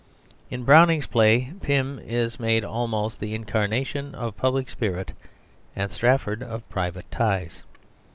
In Browning's play Pym is made almost the incarnation of public spirit, and Strafford of private ties.